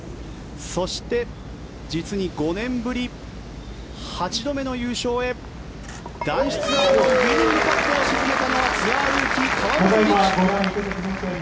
そして、実に５年ぶり８度目の優勝へ男子ツアーウイニングパットを沈めたのはツアールーキー、河本力。